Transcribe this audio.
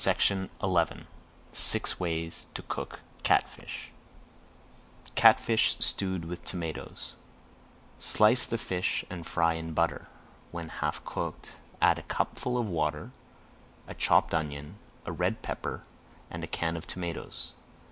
[Page 89] SIX WAYS TO COOK CATFISH CATFISH STEWED WITH TOMATOES Slice the fish and fry in butter. When half cooked, add a cupful of water, a chopped onion, a red pepper, and a can of tomatoes.